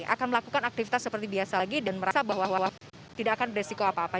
akan melakukan aktivitas seperti biasa lagi dan merasa bahwa tidak akan beresiko apa apa